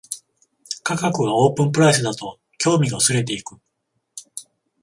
価格がオープンプライスだと興味が薄れていく